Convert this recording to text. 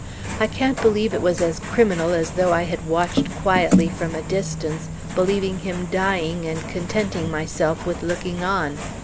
I can't believe it was as criminal as though I had watched quietly from a distance, believing him dying and contenting myself with looking on.